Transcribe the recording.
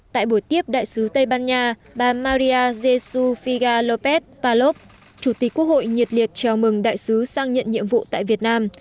tại buổi tiếp đại sứ tây ban nha bà maria jesu figa lópez palov chủ tịch quốc hội nhiệt liệt chào mừng đại sứ sang nhận nhiệm vụ tại việt nam